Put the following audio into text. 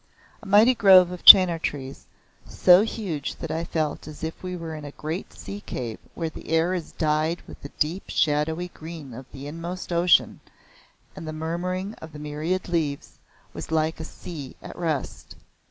A mighty grove of chenar trees, so huge that I felt as if we were in a great sea cave where the air is dyed with the deep shadowy green of the inmost ocean, and the murmuring of the myriad leaves was like a sea at rest.